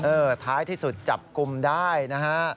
ท้ายที่สุดจับกลุ่มได้นะฮะ